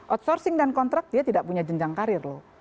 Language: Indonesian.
outsourcing dan kontrak dia tidak punya jenjang karir loh